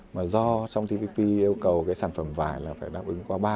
mà do trong tpp yêu cầu cái sản phẩm vải là phải đáp ứng qua ba khâu sợi